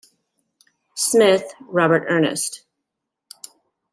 Smith, Robert Ernest.